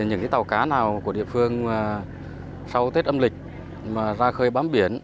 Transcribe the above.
những tàu cá nào của địa phương sau tết âm lịch mà ra khơi bám biển